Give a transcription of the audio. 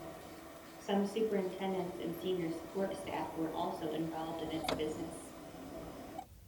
Some superintendents and senior support staff were also involved in its business.